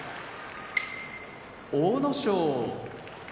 阿武咲